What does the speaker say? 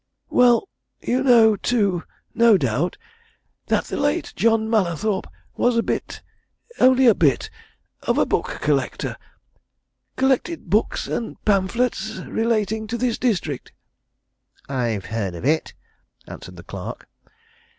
"Well you know, too, no doubt, that the late John Mallathorpe was a bit only a bit of a book collector; collected books and pamphlets relating to this district?" "I've heard of it," answered the clerk.